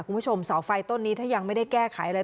คุณผู้ชมเสาไฟต้นนี้ถ้ายังไม่ได้แก้ไขอะไร